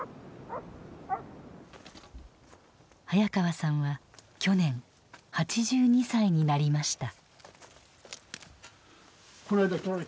早川さんは去年８２歳になりました。